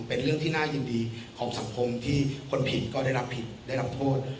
เป็นเรื่องที่น่ายินดีของสังคมที่คนผิดก็ได้รับผิดได้รับโทษ